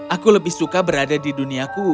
aku lebih suka berada di duniaku